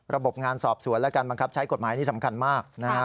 ระบบงานสอบสวนและการบังคับใช้กฎหมายนี่สำคัญมากนะฮะ